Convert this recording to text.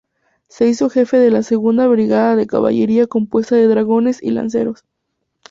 Se hizo jefe de la Segunda Brigada de Caballería compuesta de dragones y lanceros.